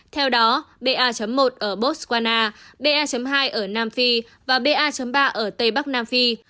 theo đó ba một ở botswana ba hai ở nam phi và ba ba ở tây bắc nam phi